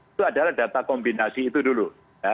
itu adalah data kombinasi itu dulu